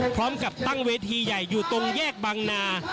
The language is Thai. พร้อมกับตั้งเวทีใหญ่อยู่ตรงแยกบางนา